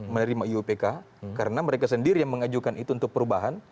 menerima iupk karena mereka sendiri yang mengajukan itu untuk perubahan